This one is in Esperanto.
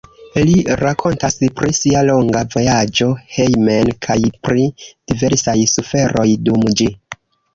Li rakontas pri sia longa vojaĝo hejmen kaj pri diversaj suferoj dum ĝi.